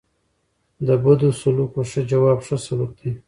د بدو سلوکو ښه جواب؛ ښه سلوک دئ.